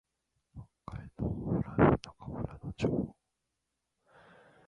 北海道中富良野町